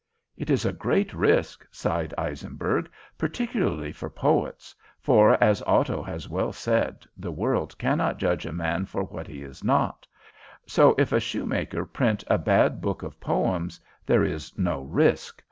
"It is a great risk," sighed Eisenberg. "Particularly for poets, for, as Otto has well said, the world cannot judge a man for what he is not; so if a shoemaker print a bad book of poems, there is no risk.